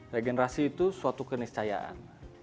regenerasi itu suatu keniscayaan